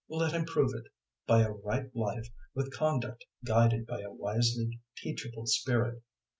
Let him prove it by a right life with conduct guided by a wisely teachable spirit.